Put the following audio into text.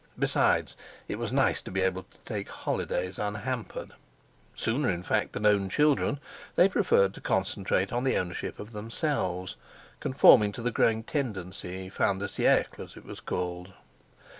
Besides, it was nice to be able to take holidays unhampered. Sooner in fact than own children, they preferred to concentrate on the ownership of themselves, conforming to the growing tendency fin de siècle, as it was called.